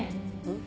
ん？